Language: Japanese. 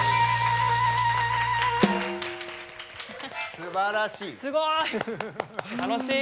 すばらしい。